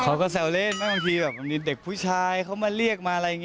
เขาก็แสวเล่นเหมือนบางทีอยู่เด็กผู้ชายเขาเรียกมา